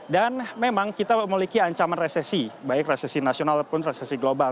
dan memang kita memiliki ancaman resesi baik resesi nasional ataupun resesi global